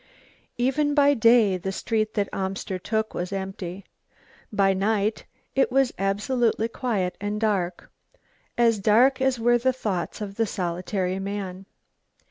Even by day the street that Amster took was empty; by night it was absolutely quiet and dark, as dark as were the thoughts of the solitary man.